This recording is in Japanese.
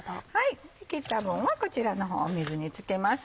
切った分はこちらの方水につけます。